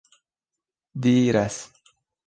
diras